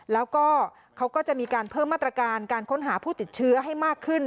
แล้วก็เขาก็จะมีการเพิ่มมาตรการการค้นหาผู้ติดเชื้อให้มากขึ้น